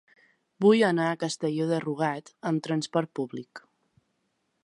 Vull anar a Castelló de Rugat amb transport públic.